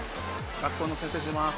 ◆学校の先生をしてます。